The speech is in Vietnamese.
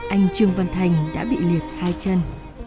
anh trương văn thành đã bị liệt hai chân